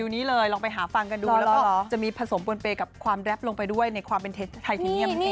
ฟิวนี้เลยลองไปหาฟังกันดูแล้วก็จะมีผสมบนเปรย์กับความแรปลงไปด้วยในความเป็นไทยธิงเงียมเอง